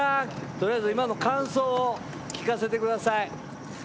とりあえず今の感想を聞かせて下さい。